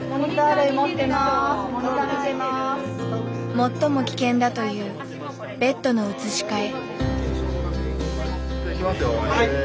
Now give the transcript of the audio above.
最も危険だというベッドの移し替え。